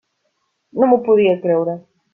No m'ho podia creure.